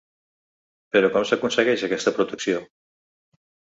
Però com s’aconsegueix aquesta protecció?